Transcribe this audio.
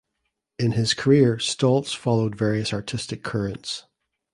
In his career Stolz followed various artistic currents.